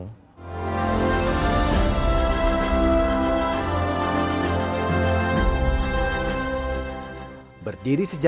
ketika peristiwa berdiri di belanda